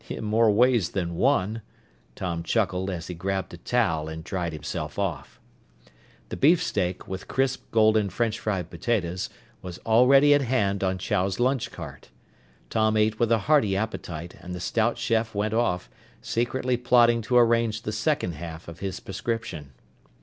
"In more ways than one!" Tom chuckled as he grabbed a towel and dried himself off. The beefsteak, with crisp golden brown French fried potatoes, was already at hand on Chow's lunch cart. Tom ate with a hearty appetite and the stout chef went off, secretly plotting to arrange the second half of his prescription.